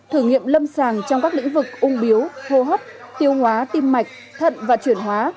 thử nghiệm lâm sàng trong các lĩnh vực ung biếu hô hấp tiêu hóa tim mạch thận và chuyển hóa